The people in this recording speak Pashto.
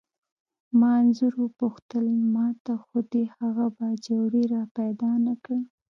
ما انځور وپوښتل: ما ته خو دې هغه باجوړی را پیدا نه کړ؟